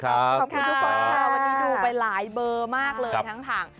ขอบคุณทุกคนวันนี้ดูไปหลายเบอร์มากเลยทั้งถัง